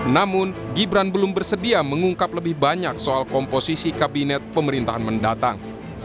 namun gibran belum bersedia mengungkap lebih banyak soal komposisi kabinet pemerintahan mendatang